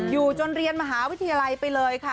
อยู่จนเรียนมหาวิทยาลัยไปเลยค่ะ